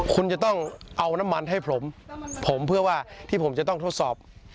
คุณจะต้องเอาน้ำมันให้ผมผมเพื่อว่าที่ผมจะต้องทดสอบ